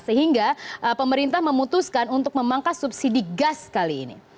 sehingga pemerintah memutuskan untuk memangkas subsidi gas kali ini